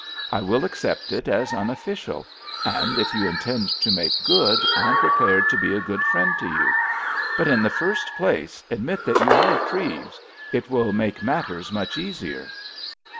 I will accept it as unofficial, and if you intend to make good I'm prepared to be a good friend to you. But in the first place admit that you are Treves; it will make matters much easier."